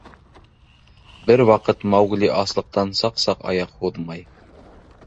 Бер ваҡыт Маугли аслыҡтан саҡ-саҡ аяҡ һуҙмай.